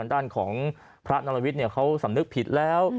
ด้านของพระนรวิทย์เขาสำนึกผิดแล้ว